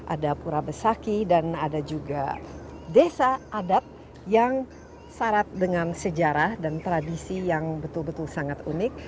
ada pura besaki dan ada juga desa adat yang syarat dengan sejarah dan tradisi yang betul betul sangat unik